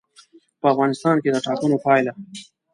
په افغانستان کې د ټاکنو پایله.